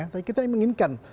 tapi kita yang menginginkan